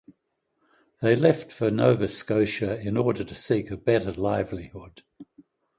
They left for Nova Scotia "in order to seek a better livelihood".